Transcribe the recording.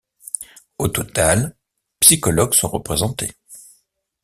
Au total, psychologues sont représentés.